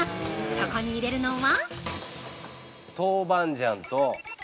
そこに入れるのは。